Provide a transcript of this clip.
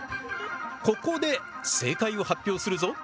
ここで正解を発表するぞ。